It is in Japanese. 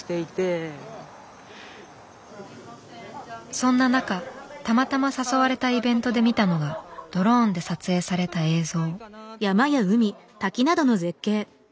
そんな中たまたま誘われたイベントで見たのがドローンで撮影された映像。